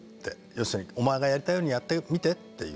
要するにお前がやりたいようにやってみてっていう。